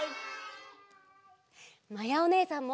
まやおねえさんも！